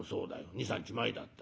２３日前だった。